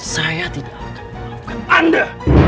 saya tidak akan melakukan anda